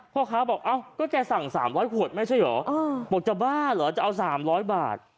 พ่อค้าบอกเอ้าก็แกสั่ง๓๐๐ขวดไม่ใช่เหรอบอกจะบ้าเหรอจะเอา๓๐๐บาท